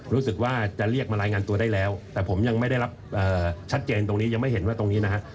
รู้สึกว่าจะเรียกมารายงานตัวได้แล้วแต่ผมยังไม่ได้รับชัดเจนตรงนี้ยังไม่เห็นว่าตรงนี้นะฮะ